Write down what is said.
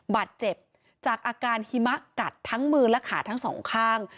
บาดเจ็บจากอาการหิมะกัดทั้งมือและขาทั้งสองข้าง